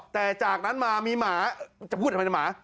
แต่จากนั้นมามีหมาจะพูดทำไมในหมา